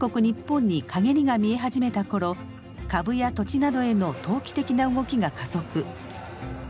ニッポンに陰りが見え始めた頃株や土地などへの投機的な動きが加速。